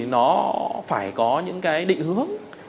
nó phải có những cái định hướng